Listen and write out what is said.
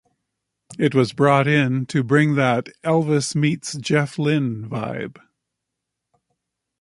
It was brought in to bring that Elvis meets Jeff Lynn vibe.